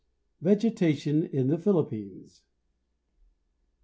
_ VEGETATION IN THE PHILIPPINES.